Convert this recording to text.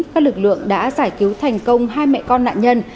các lực lượng đã giải cứu thành công hai mẹ con nạn nhân